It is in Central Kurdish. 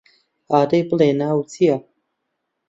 ئادەی بڵێ ناوت چییە؟